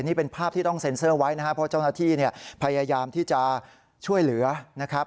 นี่เป็นภาพที่ต้องเซ็นเซอร์ไว้นะครับเพราะเจ้าหน้าที่เนี่ยพยายามที่จะช่วยเหลือนะครับ